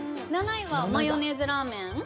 ７位は「マヨネーズラーメン」？